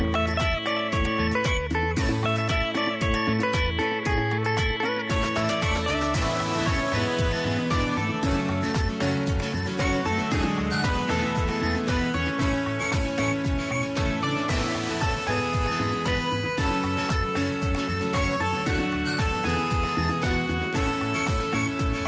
โปรดติดตามตอนต่อไป